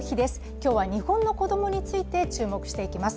今日は日本の子供について注目していきます。